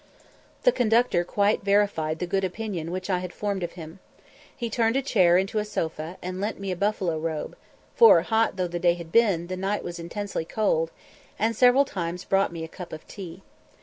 The conductor quite verified the good opinion which I had formed of him. He turned a chair into a sofa, and lent me a buffalo robe (for, hot though the day had been, the night was intensely cold), and several times brought me a cup of tea.